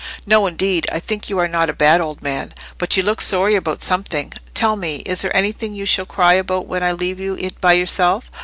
"No, indeed; I think you are not a bad old man. But you look sorry about something. Tell me, is there anything you shall cry about when I leave you by yourself?